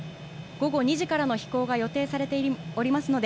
午後２時からの飛行が予定されておりますので、